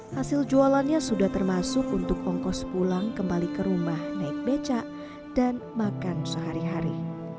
hasil jualannya sudah termasuk untuk ongkos pulang kembali ke rumah naik becak dan makan sehari hari